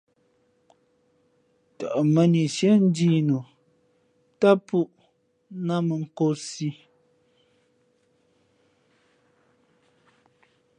Tαʼ mᾱni síé njīī nǔ ntám pūʼ náh mᾱ nkōsī.